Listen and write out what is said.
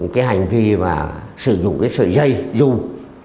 cái hành vi và sử dụng cái sợi dây dùm